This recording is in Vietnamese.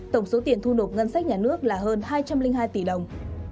tổng số tiền thu nộp ngân sách nhà nước là hơn hai trăm linh hai tỷ đồng